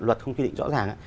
luật không quy định rõ ràng